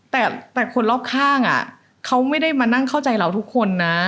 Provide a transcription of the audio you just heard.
แต่คนรอบข้างเขาไม่ได้มานั่งเข้าใจเราทุกคนนะ